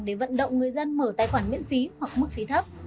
để vận động người dân mở tài khoản miễn phí hoặc mức phí thấp